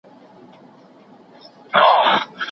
چی څرگندي بې عقلۍ مي د ځوانۍ سي